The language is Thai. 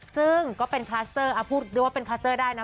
ซึ่งก็เป็นคลัสเตอร์พูดด้วยว่าเป็นคลัสเตอร์ได้นะ